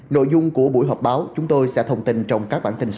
nội dung của buổi họp báo chúng tôi sẽ thông tin trong các bản tin sau